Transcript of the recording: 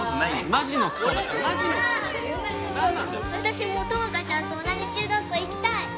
ママ私も友果ちゃんと同じ中学校行きたい！